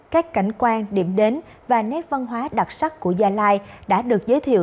các cảnh quan điểm đến và nét văn hóa đặc sắc của gia lai đã được giới thiệu